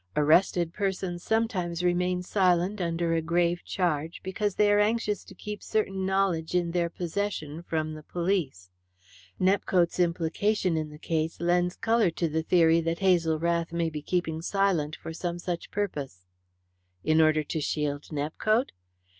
"Arrested persons sometimes remain silent under a grave charge because they are anxious to keep certain knowledge in their possession from the police. Nepcote's implication in the case lends colour to the theory that Hazel Rath may be keeping silent for some such purpose." "In order to shield Nepcote?"